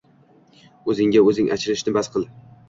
O‘zingga o‘zing achinishni bas qil.